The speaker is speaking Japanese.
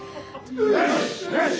よし！